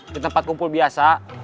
di tempat kumpul biasa